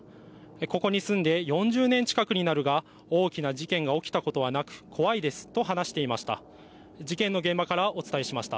ここに住んで４０年近くになるが大きな事件が起きたことはなく怖いですと話していました。